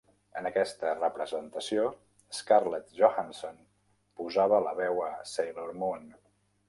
En aquesta representació, Scarlett Johansson posava la veu a Sailor Moon.